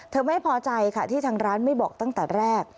ไม่พอใจค่ะที่ทางร้านไม่บอกตั้งแต่แรก